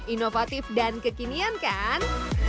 inovatif dan kekinian kan